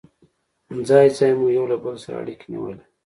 ځای ځای مو یو له بل سره اړيکې نیولې.